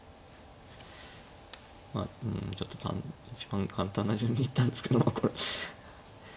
うんちょっと一番簡単な順に行ったんですけどこれ。